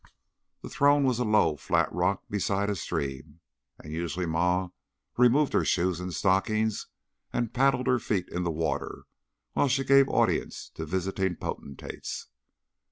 The throne was a low, flat rock beside a stream, and usually Ma removed her shoes and stockings and paddled her feet in the water while she gave audience to visiting potentates.